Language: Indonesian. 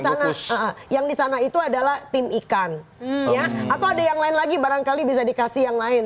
di sana yang di sana itu adalah tim ikan atau ada yang lain lagi barangkali bisa dikasih yang lain